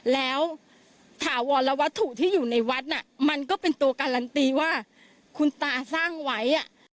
แล้วถาวรวัตถุที่อยู่ในวัดน่ะมันก็เป็นตัวการันตีว่าคุณตาสร้างไว้